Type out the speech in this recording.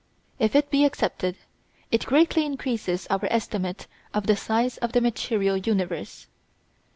If it be accepted it greatly increases our estimate of the size of the material universe.